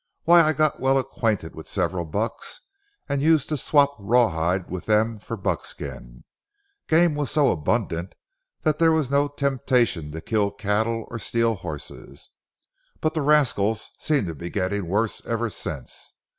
Why, I got well acquainted with several bucks, and used to swap rawhide with them for buckskin. Game was so abundant then that there was no temptation to kill cattle or steal horses. But the rascals seem to be getting worse ever since.